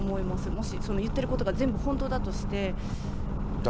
もし、言ってることが全部本当だとして。